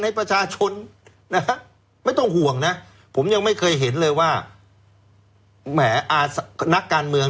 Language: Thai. ประชาชนนะฮะไม่ต้องห่วงนะผมยังไม่เคยเห็นเลยว่าแหมอนักการเมือง